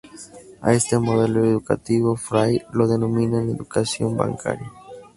A este modelo educativo Freire lo denomina Educación bancaria.